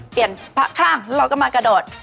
เปลี่ยนข้างเราก็มากระโดด